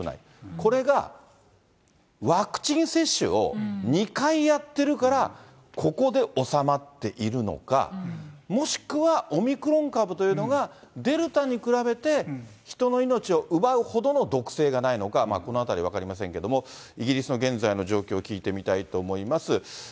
これがワクチン接種を２回やってるから、ここで収まっているのか、もしくはオミクロン株というのがデルタに比べて人の命を奪うほどの毒性がないのか、このあたり分かりませんけど、イギリスの現在の状況を聞いてみたいと思います。